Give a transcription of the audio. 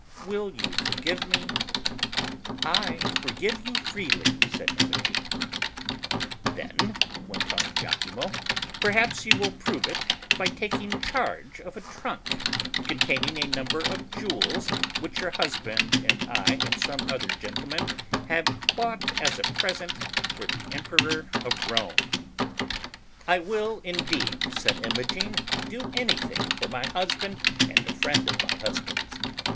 Will you forgive me?" 1 forgive you freely," said Imogen. Then," went on lachimo, "perhaps you will prove it by taking charsce of a trunk, containing a number of jewels which your hus brind and I and some other gentlemen have bought as a present for the Emperor of Rome.' "] 99 igi THE CHILDREN'S SHAKESPEARE. "I will indeed/' said Imogen, *'do anything for my husband and a friend of my husband's.